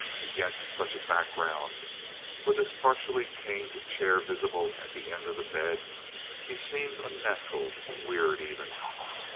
Against such a background, with his partially caned chairs visible at the end of the bed, he seemed unnatural, weird even.